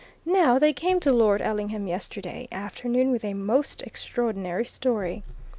Now, they came to Lord Ellingham yesterday afternoon with a most extraordinary story.